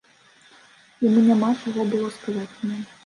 Яму няма чаго было сказаць мне.